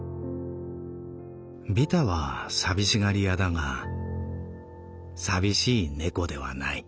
ビタは寂しがり屋だが淋しい猫ではない」。